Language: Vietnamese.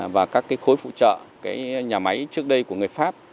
và các cái khối phụ trợ cái nhà máy trước đây của người pháp